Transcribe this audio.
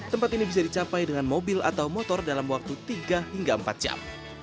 tempat ini bisa dicapai dengan mobil atau motor dalam waktu tiga hingga empat jam